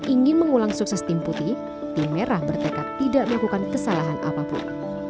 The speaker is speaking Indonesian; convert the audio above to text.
ingin mengulang sukses tim putih tim merah bertekad tidak melakukan kesalahan apapun